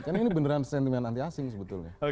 karena ini beneran sentimen anti asing sebetulnya